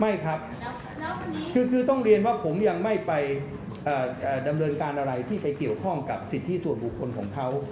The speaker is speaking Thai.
ไม่ครับคือต้องเรียนว่าผมยังไม่ไปดำเนินการอะไรที่ไปเกี่ยวข้องกับสิทธิส่วนบุคคลของเขา